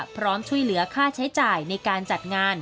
พร้อมช่วยเหลือค่าใช้จ่ายในการจัดงาน